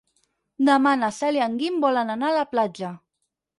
Demà na Cel i en Guim volen anar a la platja.